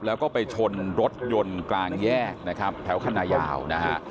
แล้วก็ไปชนรถยนต์กลางแยกนะครับแถวคณะยาวนะฮะ